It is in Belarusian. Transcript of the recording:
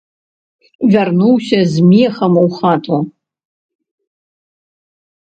Вярнуўся з мехам у хату.